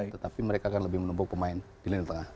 tetapi mereka akan lebih menumpuk pemain di lini tengah